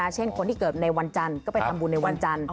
เช่นคนที่เกิดในวันจันทร์ก็ไปทำบุญในวันจันทร์